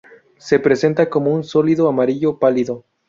Se presenta como un sólido amarillo pálido.